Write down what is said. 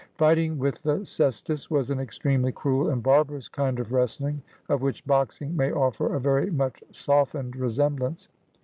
Fighting with the cestus was an extremely cruel and barbarous kind of wrestling of which boxing may offer a very much softened resemblance.